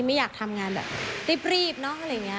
ไม่อยากทำงานแบบรีบเนอะอะไรอย่างนี้